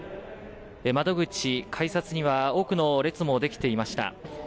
窓口、改札には多くの列もできていました。